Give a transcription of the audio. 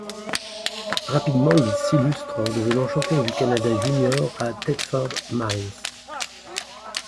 Rapidement, il s'illustre en devenant champion du Canada juniors à Thetford Mines.